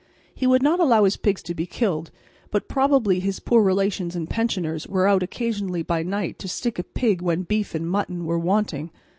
He would not allow his pigs to be killed, but probably his poor relations and pensioners were out occasionally by night to stick a pig when beef and mutton were wanting.